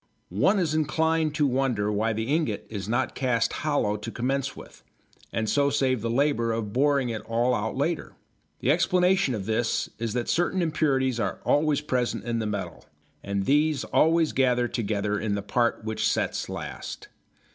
One is inclined to wonder why the ingot is not cast hollow to commence with, and so save the labour of boring it all out later. The explanation of this is that certain impurities are always present in the metal and these always gather together in the part which sets last.